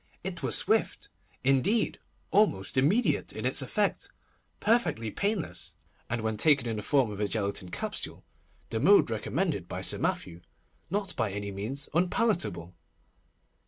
It was swift—indeed, almost immediate, in its effect—perfectly painless, and when taken in the form of a gelatine capsule, the mode recommended by Sir Mathew, not by any means unpalatable.